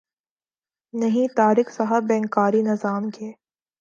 نہیں طارق صاحب بینک کاری نظام کے